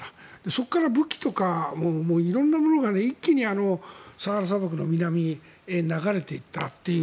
そこから武器とか色んなものが一気にサハラ砂漠の南へ流れていったという。